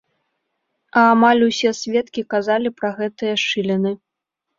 А амаль усе сведкі казалі пра гэтыя шчыліны.